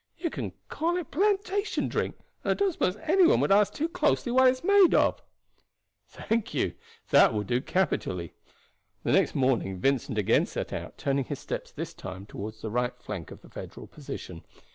You can call it plantation drink, and I don't suppose any one would ask too closely what it's made of." "Thank you, that will do capitally." The next morning Vincent again set out, turning his steps this time toward the right flank of the Federal position.